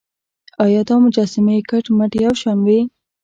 ایا دا مجسمې کټ مټ یو شان وې.